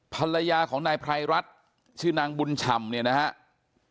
ภรรยาของนายไพรรัฐชื่อนางบุญฉ่ำเนี่ยนะครับ